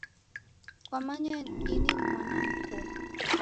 Kwamanya ini ni mwana mkoo